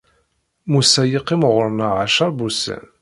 Musa yeqqim ɣur-neɣ ɛecra n ussan.